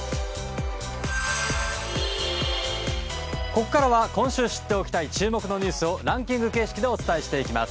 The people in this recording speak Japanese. ここからは今週知っておきたい注目のニュースをランキング形式でお伝えしていきます。